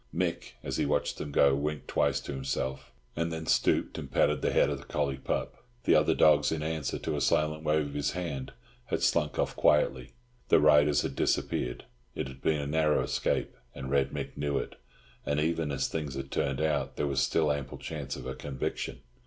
Mick, as he watched them go, winked twice to himself, and then stooped and patted the head of the collie pup. The other dogs, in answer to a silent wave of his hand, had slunk off quietly. The riders had disappeared. It had been a narrow escape, and Red Mick knew it; and even as things had turned out, there was still ample chance of a conviction.